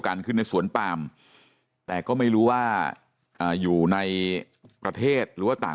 กันขึ้นในสวนปามแต่ก็ไม่รู้ว่าอยู่ในประเทศหรือว่าต่าง